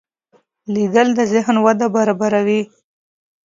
لیدل د ذهن وده برابروي